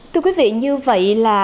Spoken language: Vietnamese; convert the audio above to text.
thưa quý vị như vậy là